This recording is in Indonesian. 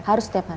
harus setiap hari